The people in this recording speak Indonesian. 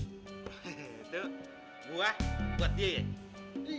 gue buat dia ya